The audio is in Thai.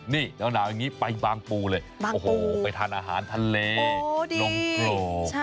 แนวอังนี้ไปบางปู่เลยโอ้โหไปทานอาหารทะเลโอ้ดีนมโครควรเลย